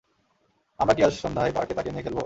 আমরা কি আজ সন্ধ্যায় পার্কে তাকে নিয়ে খেলব?